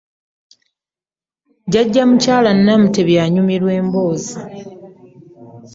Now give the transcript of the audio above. Jjajja Mukyala Namutebi anyumirwa emboozi!